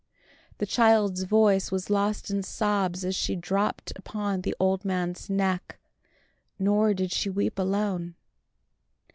The child's voice was lost in sobs as she dropped upon the old man's neck; nor did she weep alone.